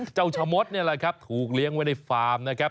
ชะมดนี่แหละครับถูกเลี้ยงไว้ในฟาร์มนะครับ